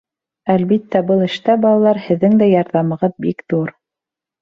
Әлбиттә, был эштә, балалар, һеҙҙең дә ярҙамығыҙ бик ҙур.